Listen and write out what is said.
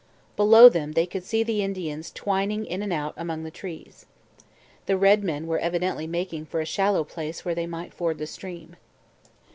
Below them they could see the Indians twining in and out among the trees. The red men were evidently making for a shallow place where they might ford the stream.